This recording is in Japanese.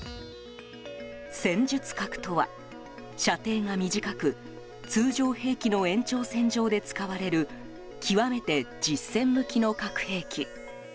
戦術核とは、射程が短く通常兵器の延長線上で使われる極めて実戦向きの核兵器。